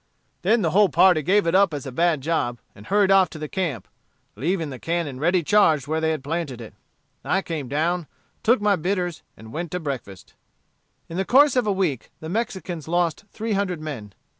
Then the whole party gave it up as a bad job, and hurried off to the camp, leaving the cannon ready charged where they had planted it. I came down, took my bitters, and went to breakfast." In the course of a week the Mexicans lost three hundred men.